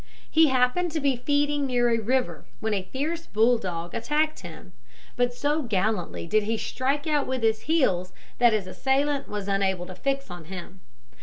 He happened to be feeding near a river when a fierce bull dog attacked him; but so gallantly did he strike out with his heels, that his assailant was unable to fix on him.